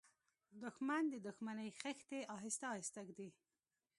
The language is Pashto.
دښمن د دښمنۍ خښتې آهسته آهسته ږدي